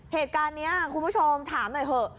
เหตุการณ์นี้คุณผู้ชมถามหน่อยเถอะ